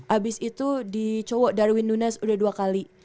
abis itu di cowok darwin lunas udah dua kali